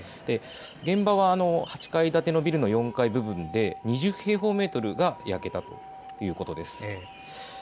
現場は８階建てのビルの４階部分で２０平方メートルが焼けたということです。